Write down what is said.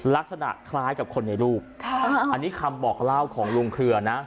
ลักษณะคล้ายกับคนในรูปอันนี้คำบอกเล่าของลุงเครือนะ